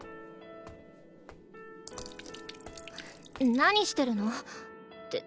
何してるの？って。